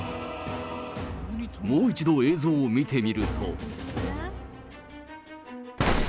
もう一度、映像を見てみると。